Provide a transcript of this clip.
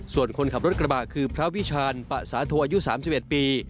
ส่วนคนขับรถกระบะคือพระวิชาณปะสาโทอายุ๓๑ปี